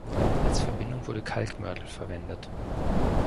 Als Verbindung wurde Kalkmörtel verwendet.